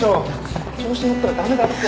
調子乗ったら駄目だって。